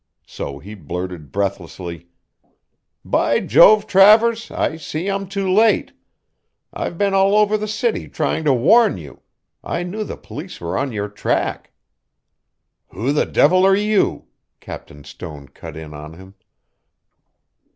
So he blurted breathlessly: "By Jove, Travers, I see I'm too late. I've been all over the city trying to warn you I knew the police were on your track." "Who the devil are you?" Captain Stone cut in on him.